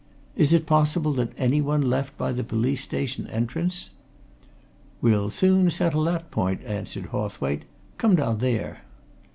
Is it possible that anyone left by the police station entrance?" "We'll soon settle that point!" answered Hawthwaite. "Come down there."